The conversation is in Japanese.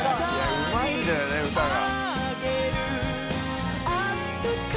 うまいんだよね歌が。